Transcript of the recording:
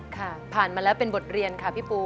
ผ่านมาแล้วเป็นบทเรียนค่ะพี่ปู